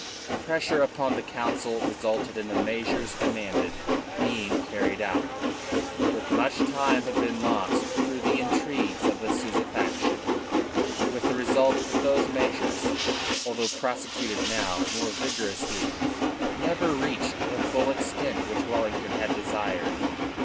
Pressure upon the Council resulted in the measures demanded being carried out. But much time had been lost through the intrigues of the Souza faction, with the result that those measures, although prosecuted now more vigorously, never reached the full extent which Wellington had desired.